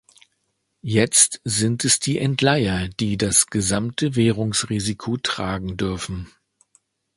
Jetzt sind es die Entleiher, die das gesamte Währungsrisiko tragen dürfen.